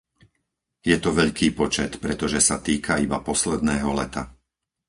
Je to veľký počet, pretože sa týka iba posledného leta.